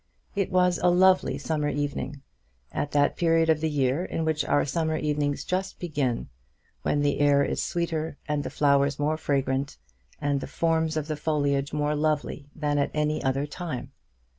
It was a lovely summer evening, at that period of the year in which our summer evenings just begin, when the air is sweeter and the flowers more fragrant, and the forms of the foliage more lovely than at any other time.